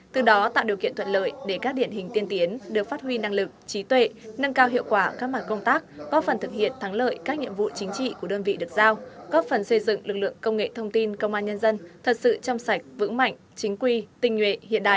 từ đó tạo điều kiện thuận lợi để các điển hình tiên tiến được phát huy năng lực trí tuệ nâng cao hiệu quả các mặt công tác có phần thực hiện thắng lợi các nhiệm vụ chính trị của đơn vị được giao góp phần xây dựng lực lượng công nghệ thông tin công an nhân dân thật sự trong sạch vững mạnh chính quy tình nguyện hiện đại